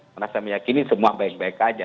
merasa meyakini semua baik baik saja